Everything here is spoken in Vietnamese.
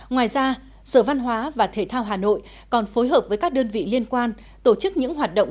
ngoài ra sở văn hóa và thể thao hà nội còn phối hợp với các đơn vị liên quan tổ chức những hoạt động